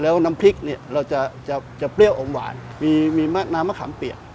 แล้วน้ำพริกจะเปรี้ยวอมหวานมีน้ำมะขำเปียก